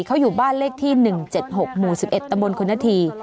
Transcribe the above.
เขาอยู่บ้านเลขที่๑๗๖หมู่๑๑ตำบลคุณนาธี